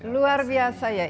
luar biasa ya